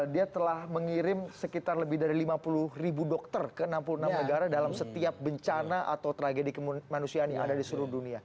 dia telah mengirim sekitar lebih dari lima puluh ribu dokter ke enam puluh enam negara dalam setiap bencana atau tragedi kemanusiaan yang ada di seluruh dunia